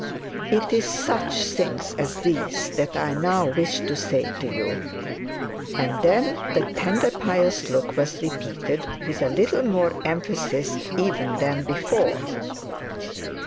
It is such things as these, that I now wish to say to you;' and then the tender pious look was repeated, with a little more emphasis even than before.